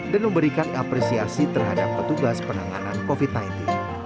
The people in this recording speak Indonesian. dan memberikan apresiasi terhadap petugas penanganan covid sembilan belas